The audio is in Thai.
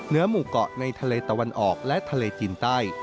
เหนือหมู่เกาะในทะเลตะวันออกและทะเลจีนใต้